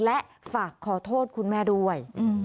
และฝากขอโทษคุณแม่ด้วย